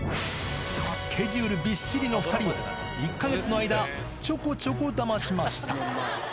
スケジュールびっしりの２人を、１か月の間、ちょこちょこダマしました。